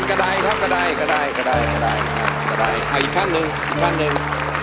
นี่ครับปานมุมอยู่นี่ครับมาตรงนี้ตรงนี้เป็นกระดายครับกระดายอีกขั้นหนึ่งอีกขั้นหนึ่ง